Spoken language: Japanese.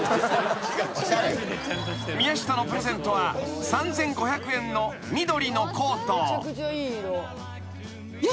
［宮下のプレゼントは３，５００円の緑のコート］いや。